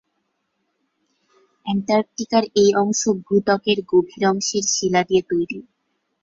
অ্যান্টার্কটিকার এই অংশ ভূত্বকের গভীর অংশের শিলা দিয়ে তৈরী।